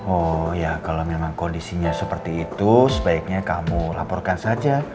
oh ya kalau memang kondisinya seperti itu sebaiknya kamu laporkan saja